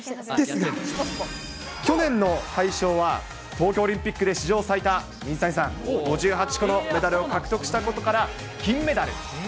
去年の大賞は、東京オリンピックで史上最多、水谷さん、５８個のメダルを獲得したことから、金メダル。